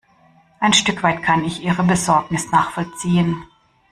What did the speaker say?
Ein Stück weit kann ich ihre Besorgnis nachvollziehen.